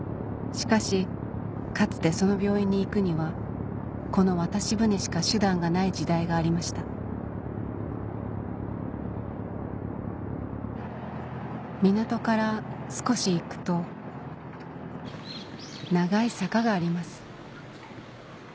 しかしかつてその病院に行くにはこの渡し船しか手段がない時代がありました港から少し行くと長い坂があります